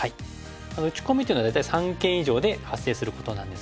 打ち込みというのは大体三間以上で発生することなんですけども。